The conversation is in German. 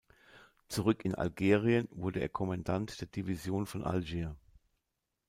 Zurück in Algerien wurde er Kommandant der Division von Algier.